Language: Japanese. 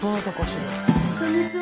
こんにちは。